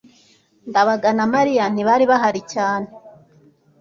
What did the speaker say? ndabaga na mariya ntibari bahari cyane